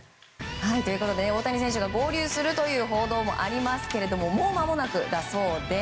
大谷選手が合流するという報道もありますけどもうまもなくだそうで。